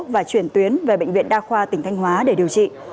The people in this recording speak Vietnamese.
và chuyển tuyến về bệnh viện đa khoa tỉnh thanh hóa để điều trị